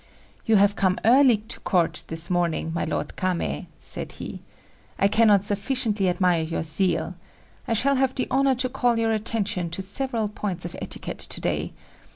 "You have come early to Court this morning, my Lord Kamei," said he. "I cannot sufficiently admire your zeal. I shall have the honour to call your attention to several points of etiquette to day.